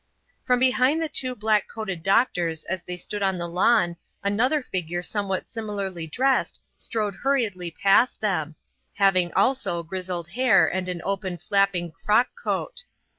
From behind the two black coated doctors as they stood on the lawn another figure somewhat similarly dressed strode hurriedly past them, having also grizzled hair and an open flapping frock coat.